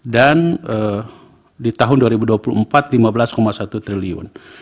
dan di tahun dua ribu dua puluh empat lima belas satu triliun